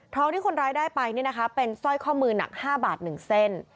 ที่คนร้ายได้ไปเป็นสร้อยข้อมือหนัก๕บาท๑เส้น